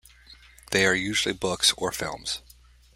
They are usually books or films.